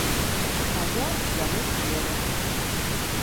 А я яму веру.